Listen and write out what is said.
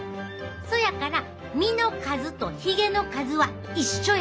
そやから実の数とヒゲの数は一緒やねん。